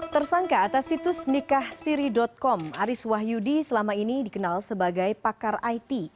tersangka atas situs nikahsiri com aris wahyudi selama ini dikenal sebagai pakar it